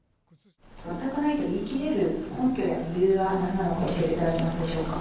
関与がないと言いきれる根拠や理由はなんなのか、教えていただけますでしょうか。